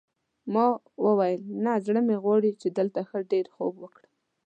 ما وویل نه زړه مې غواړي چې دلته ښه ډېر خوب وکړم.